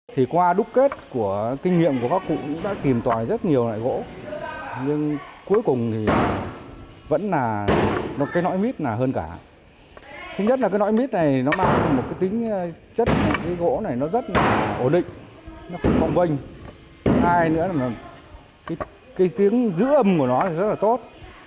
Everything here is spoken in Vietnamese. chất gỗ này rất ổn định không vinh cái tiếng giữ âm của nó rất là tốt